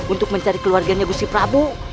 untuk mencari keluarganya gusiprabu